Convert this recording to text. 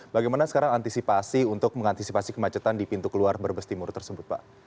bagaimana sekarang antisipasi untuk mengantisipasi kemacetan di pintu keluar brebes timur tersebut pak